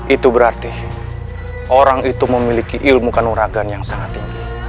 itu berarti orang itu memiliki ilmu kanoragan yang sangat tinggi